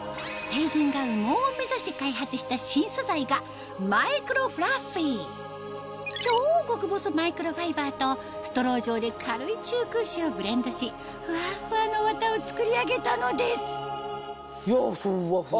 羽毛を目指して超極細マイクロファイバーとストロー状で軽い中空糸をブレンドしふわっふわの綿を作り上げたのですふっわふわ。